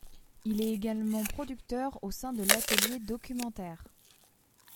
Il est également producteur au sein de l’atelier documentaire.